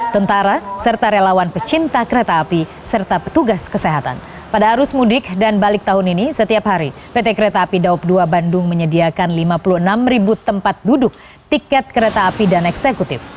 kepada pt kereta api daop dua bandung pt kereta api daop dua bandung menyediakan lima puluh enam ribu tempat duduk tiket kereta api dan eksekutif